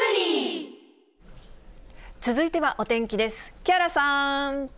続いてはお天気です。